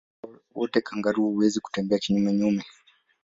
Ujanja wote kangaroo hawezi kutembea kinyume nyume